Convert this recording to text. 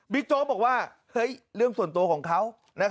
โจ๊กบอกว่าเรื่องส่วนตัวของเขา